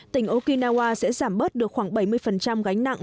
tỉnh okinawa sẽ giảm bớt được khoảng bảy mươi gánh nặng